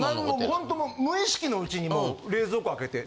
ほんと無意識のうちにもう冷蔵庫開けて。